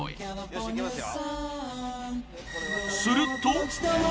よしいきますよ